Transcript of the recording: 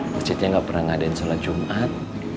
masjidnya nggak pernah ngadain sholat jumat